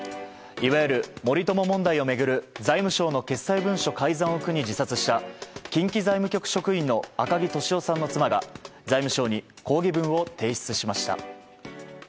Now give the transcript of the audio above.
いわゆる森友問題を巡る財務省の決裁文書改ざんを苦に自殺した近畿財務局職員の赤木俊夫さんの妻が財務省に抗議文を提出しました。